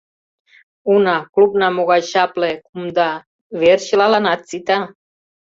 Уна, клубна могай чапле, кумда, вер чылаланат сита.